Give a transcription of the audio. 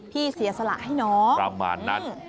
เสียสละให้น้องประมาณนั้น